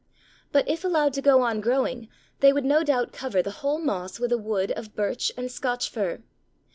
] But if allowed to go on growing they would no doubt cover the whole moss with a wood of Birch and Scotch Fir.